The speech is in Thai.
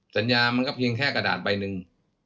สัญญามันก็เพียงแค่กระดาษใบหนึ่ง